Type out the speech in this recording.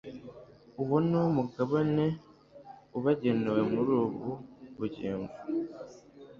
uwo ni wo mugabane ubagenewe muri ubu bugingo